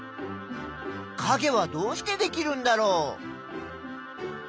かげはどうしてできるんだろう？